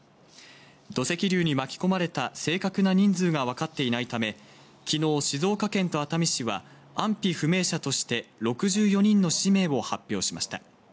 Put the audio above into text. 土石流に巻き込まれた正確な人数がわかっていないため、昨日、静岡県と熱海市は安否不明者として６４人の氏名を発表しました。